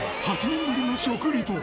８年ぶりの食リポ！